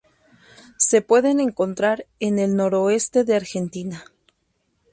Se pueden encontrar en el noroeste de Argentina.